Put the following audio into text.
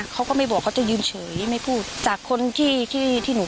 เพราะอาเองก็ดูข่าวน้องชมพู่